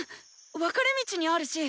分かれ道にあるし。